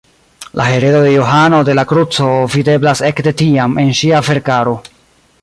La heredo de Johano de la Kruco videblas ekde tiam en ŝia verkaro.